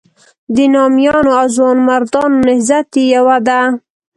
د نامیانو او ځوانمردانو نهضت یې یوه ده.